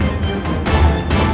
aku akan mencari makanan yang lebih enak